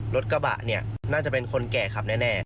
รถกระบะเนี่ยน่าจะเป็นคนแก่ขับแน่